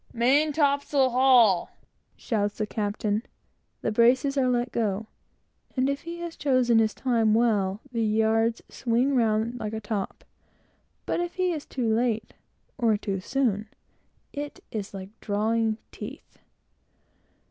"Main topsail haul!" shouts the captain; the braces are let go; and if he has taken his time well, the yards swing round like a top; but if he is too late, or too soon, it is like drawing teeth.